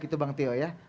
itu bang teo ya